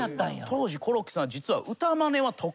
当時コロッケさんは実は。